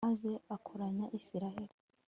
maze akoranya israheli